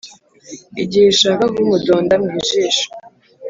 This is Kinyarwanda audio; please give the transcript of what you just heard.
Igihe ishaka kumudonda mu jisho,